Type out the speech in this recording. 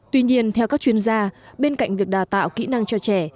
tuy nhiên theo các chuyên gia bên cạnh việc đào tạo kỹ năng cho trẻ